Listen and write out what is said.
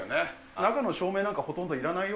中の照明なんかほとんどいらないよ。